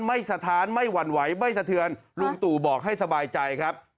ไม่สะทานไม่หวั่นไหวไม่เสียลุงตูบอกให้สบายใจ